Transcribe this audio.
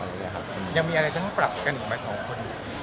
ยังมีอะไรที่ต้องปรับกันอีกมาสองคน